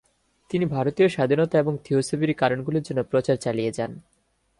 তিনি ভারতীয় স্বাধীনতা এবং থিওসফির কারণগুলির জন্য প্রচার চালিয়ে যান।